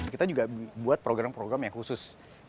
kita juga buat program program yang khusus